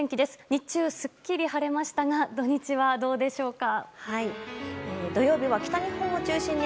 日中、すっきり晴れましたが土日はどうでしょうか。